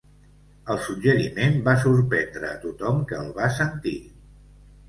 El suggeriment va sorprendre a tothom que el va sentir.